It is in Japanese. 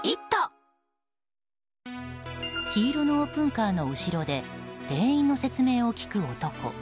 黄色のオープンカーの後ろで店員の説明を聞く男。